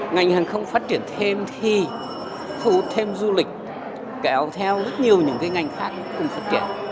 ngành hàng không phát triển thêm thì thu hút thêm du lịch kéo theo rất nhiều những ngành khác cùng phát triển